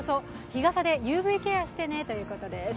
日傘でＵＶケアしてねということです。